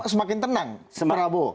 jadi semakin tenang prabowo